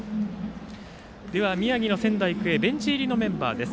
宮城の仙台育英のベンチ入りメンバーです。